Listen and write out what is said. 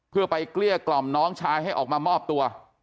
เพื่อไปเกลี้ยกล่อมน้องชายให้ออกมามอบตัว